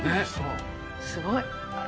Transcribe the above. すごい。